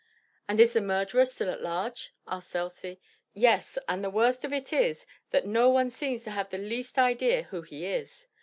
"And is the murderer still at large," asked Elsie. "Yes; and the worst of it is that no one seems to have the least idea who he is."